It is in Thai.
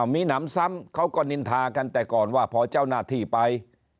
มีหนำซ้ำเขาก็นินทากันแต่ก่อนว่าพอเจ้าหน้าที่ไป